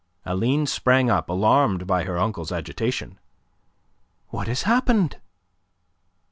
Aline sprang up, alarmed by her uncle's agitation. "What has happened?"